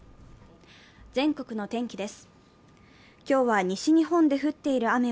全国の天気です。